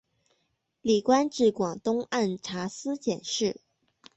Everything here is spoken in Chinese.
累官至广东按察司佥事。